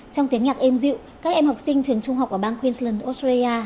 trong tiếng nhạc êm dịu các em học sinh trường trung học ở bang queensland australia